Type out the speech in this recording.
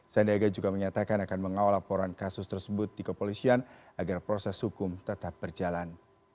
sandiaga juga menyatakan akan mengawal laporan kasus tersebut di kepolisian agar proses hukum tetap berjalan